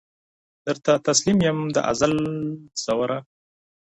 درته تسلیم یم د ازل زوره